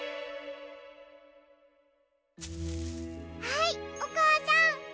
はいおかあさん。